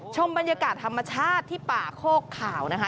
ชมบรรยากาศธรรมชาติที่ป่าโคกขาวนะคะ